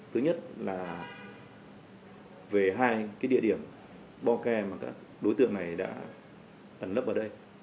thứ nhất là về hai cái địa điểm bo ke mà các đối tượng này đã ẩn lấp ở đây